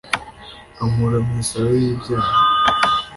Ankura mwisayo yibyaha